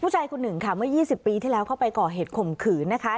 ผู้ชายคนหนึ่งค่ะเมื่อ๒๐ปีที่แล้วเข้าไปก่อเหตุข่มขืนนะคะ